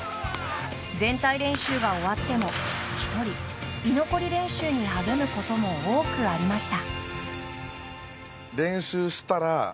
全体練習が終わっても１人、居残り練習に励むことも多くありました。